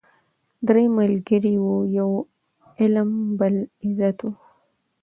درې ملګري وه یو علم بل عزت وو